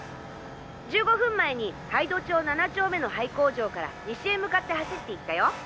１５分前に杯戸町７丁目の廃工場から西へ向かって走っていったよ。